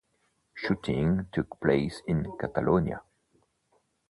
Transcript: Shooting took place in Catalonia.